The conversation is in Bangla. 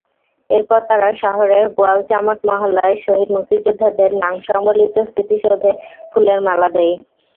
এরপর তারা শহরের গোয়ালচামট মহল্লায় শহীদ মুক্তিযোদ্ধাদের নামসংবলিত স্মৃতিসৌধে ফুলের মালা দেয়।